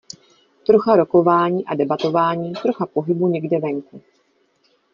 Trocha rokování a debatování, trocha pohybu někde venku.